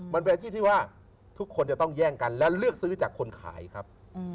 มันเป็นอาชีพที่ว่าทุกคนจะต้องแย่งกันและเลือกซื้อจากคนขายครับ